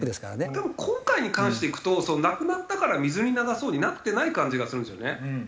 でも今回に関していくと亡くなったから水に流そうになってない感じがするんですよね。